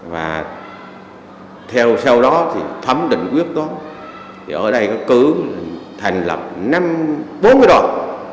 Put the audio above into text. và theo sau đó thì thấm định quyết đó thì ở đây có cứu thành lập bốn cái đoàn